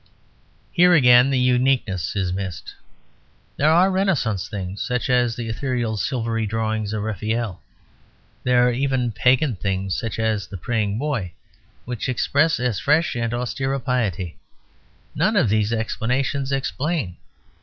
Here, again, the uniqueness is missed. There are Renaissance things (such as the ethereal silvery drawings of Raphael), there are even pagan things (such as the Praying Boy) which express as fresh and austere a piety. None of these explanations explain.